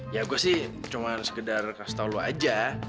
ya gue sih cuma sekedar kasih tau lo aja